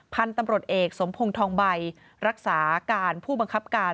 พันธุ์ตำรวจเอกสมพงศ์ทองใบรักษาการผู้บังคับการ